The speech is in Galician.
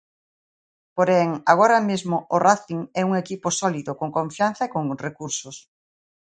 Porén, agora mesmo o Rácing é un equipo sólido, con confianza e con recursos.